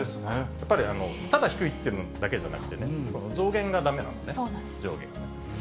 やっぱりただ低いというだけじゃなくてね、増減がだめなんでね、上下が。